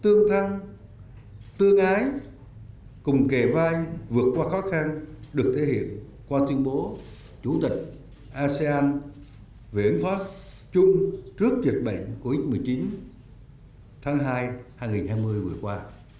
tương thân tương ái cùng kề vai vượt qua khó khăn được thể hiện qua tuyên bố chủ tịch asean về ứng phó chung trước dịch bệnh covid một mươi chín tháng hai hai nghìn hai mươi vừa qua